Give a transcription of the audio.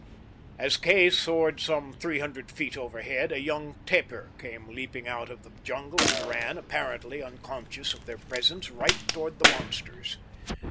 As Kay soared some three hundred feet overhead, a young tapir came leaping out of the jungle and ran, apparently unconscious of their presence, right toward the monsters.